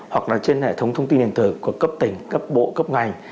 hoặc là trên hệ thống thông tin điện tử của cấp tỉnh cấp bộ cấp ngành